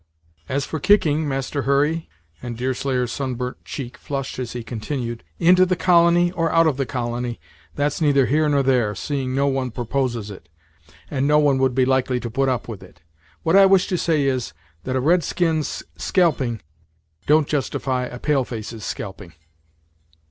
As for kicking, Master Hurry," and Deerslayer's sunburnt cheek flushed as he continued, "into the colony, or out of the colony, that's neither here nor there, seeing no one proposes it, and no one would be likely to put up with it. What I wish to say is, that a red skin's scalping don't justify a pale face's scalping."